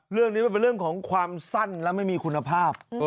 เรื่องนี้มันเป็นเรื่องของความสั้นและไม่มีคุณภาพ